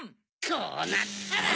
こうなったら！